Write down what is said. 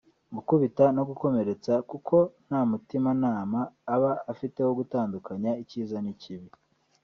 gukubita no gukomeretsa kuko nta mutimanama aba afite wo gutandukanya icyiza n’icyibi